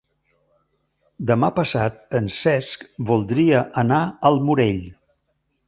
Demà passat en Cesc voldria anar al Morell.